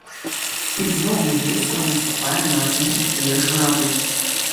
І зноў мы весела наступаем на адны і тыя ж граблі.